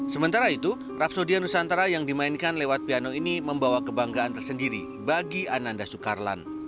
sementara itu rapsodian nusantara yang dimainkan lewat piano ini membawa kebanggaan tersendiri bagi ananda soekarlan